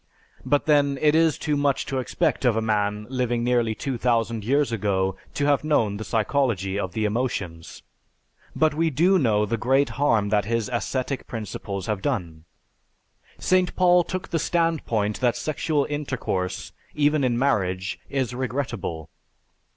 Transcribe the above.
But then it is too much to expect of a man living nearly two thousand years ago to have known the psychology of the emotions, but we do know the great harm that his ascetic principles have done. St. Paul took the standpoint that sexual intercourse, even in marriage, is regrettable.